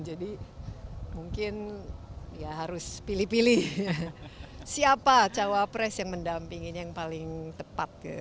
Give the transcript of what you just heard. jadi mungkin ya harus pilih pilih siapa cawapres yang mendampingin yang paling tepat